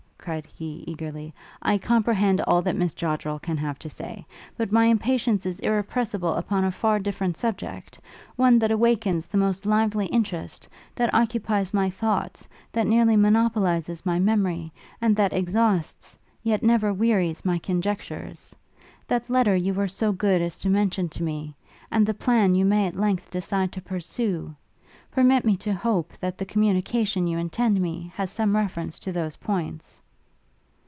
cried he, eagerly: 'I comprehend all that Miss Joddrel can have to say. But my impatience is irrepressible upon a far different subject; one that awakens the most lively interest, that occupies my thoughts, that nearly monopolizes my memory; and that exhausts yet never wearies my conjectures. That letter you were so good as to mention to me? and the plan you may at length decide to pursue? permit me to hope, that the communication you intend me, has some reference to those points?'